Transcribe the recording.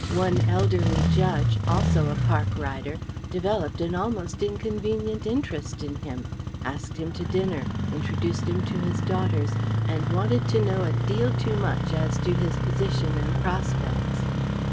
One elderly judge also a Park rider developed an almost inconvenient interest in him; asked him to dinner, introduced him to his daughters, and wanted to know a deal too much as to his position and prospects.